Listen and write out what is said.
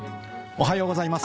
おはようございます。